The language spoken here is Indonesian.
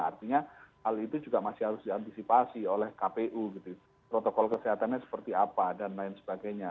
artinya hal itu juga masih harus diantisipasi oleh kpu protokol kesehatannya seperti apa dan lain sebagainya